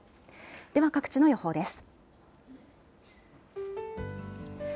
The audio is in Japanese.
では、各地の予報です。